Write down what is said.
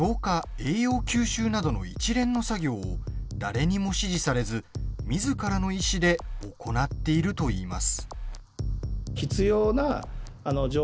・栄養吸収などの一連の作業を誰にも指示されずみずからの意志で行っているといいます。